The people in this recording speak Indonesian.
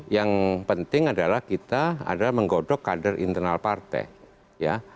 yang penting adalah kita menggodok kader internal partai